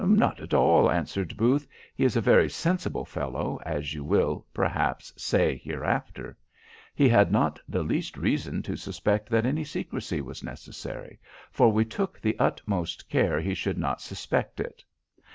"Not at all," answered Booth: "he is a very sensible fellow, as you will, perhaps, say hereafter. He had not the least reason to suspect that any secrecy was necessary; for we took the utmost care he should not suspect it.